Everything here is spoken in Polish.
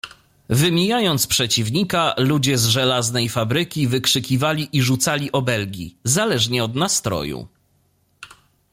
"Wymijając przeciwnika, ludzie z żelaznej fabryki wykrzykiwali i rzucali obelgi, zależnie od nastroju."